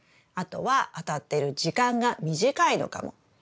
あとは当たってる時間が短いのかも。